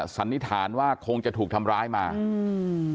สันนิษฐานว่าคงจะถูกทำร้ายมาอืม